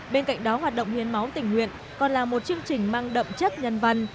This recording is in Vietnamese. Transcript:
bên cạnh đó hoạt động hiến máu tình nguyện còn là một chương trình mang đậm chất nhân văn